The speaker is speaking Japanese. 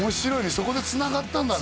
そこでつながったんだね